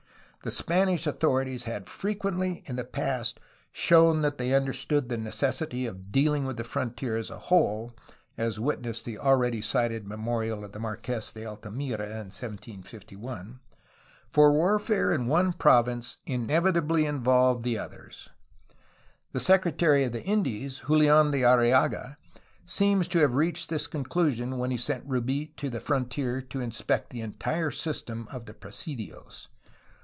The Spanish authorities had frequently in the past shown that they understood the necessity of dealing with the frontier as a whole (as witness the already cited memorial of the Marques de Altamira in 1751), for warfare in one province inevitably involved the 238 A HISTORY OF CALIFORNIA others. The Secretary of the Indies, JuHan de Arriaga, seems to have reached this conclusion when he sent Rubi to the frontier to inspect the entire system of the presidios.